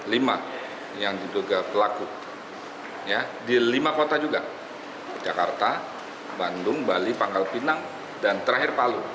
lima yang diduga pelaku di lima kota juga jakarta bandung bali pangkal pinang dan terakhir palu